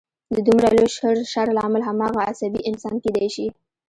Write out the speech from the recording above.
د دومره لوی شر لامل هماغه عصبي انسان کېدای شي